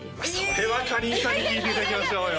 それはかりんさんに聞いていただきましょうよ！